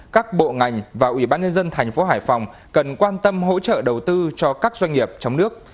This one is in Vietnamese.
các bộ ngành và ủy ban nhân dân thành phố hải phòng cần quan tâm hỗ trợ đầu tư cho các doanh nghiệp trong nước